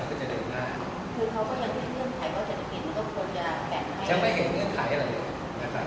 มันก็จะเริ่มมาก